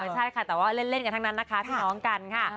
ใช่ค่ะแต่ว่าเล่นกันทั้งนั้นนะคะพี่น้องกันค่ะ